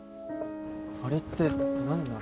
あれって何なの？